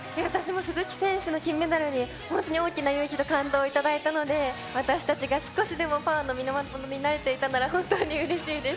鈴木選手の金メダルに大きな勇気と感動いただいたので私たちが少しパワーの源になれていたのなら本当に嬉しいです。